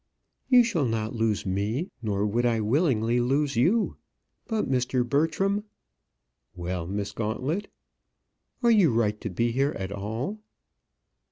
"You shall not lose me, nor would I willingly lose you. But, Mr. Bertram " "Well, Miss Gauntlet?" "Are you right to be here at all?"